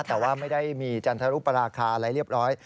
แต่ว่าไม่ได้มีจันทรุปราคาอะไรเรียบร้อย